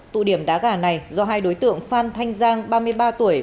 tụ điểm đá gà này do hai đối tượng phan thanh giang ba mươi ba tuổi